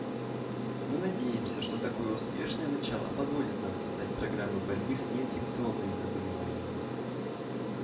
Мы надеемся, что такое успешное начало позволит нам создать программы борьбы с неинфекционными заболеваниями.